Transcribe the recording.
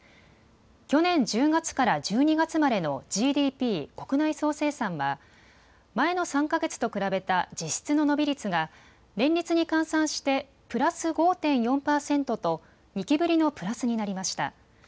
去年１０月から１２月までのＧＤＰ・国内総生産は前の３か月と比べた実質の伸び率が年率に換算してプラス５．４％と２期ぶりのプラスになりました。